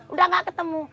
udah nggak ketemu